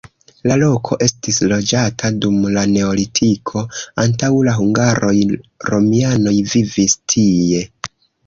La loko estis loĝata dum la neolitiko, antaŭ la hungaroj romianoj vivis tie.